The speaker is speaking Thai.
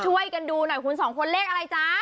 ช่วยกันดูหน่อยคุณสองคนเลขอะไรจ๊ะ